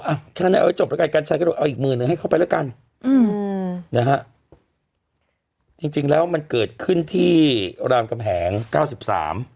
อ้ะเอาอีกมือหนึ่งให้เข้าไปแล้วกันอืมนะฮะจริงจริงแล้วมันเกิดขึ้นที่รามกำแหงเก้าสิบสาม